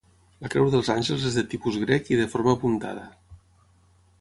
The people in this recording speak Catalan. La Creu dels Àngels és de tipus grec i de forma puntada.